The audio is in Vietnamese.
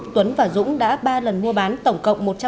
tuấn và dũng đã ba lần mua bán tổng cộng một trăm một mươi